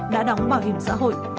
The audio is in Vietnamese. đã đóng bảo hiểm xã hội